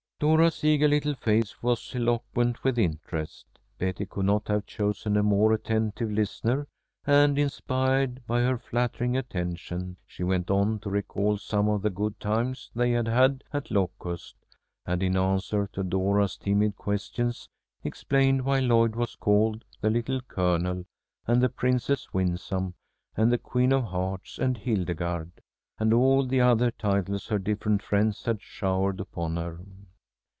Dora's eager little face was eloquent with interest. Betty could not have chosen a more attentive listener, and, inspired by her flattering attention, she went on to recall some of the good times they had had at Locust, and in answer to Dora's timid questions explained why Lloyd was called The Little Colonel and the Princess Winsome and the Queen of Hearts and Hildegarde, and all the other titles her different friends had showered upon her.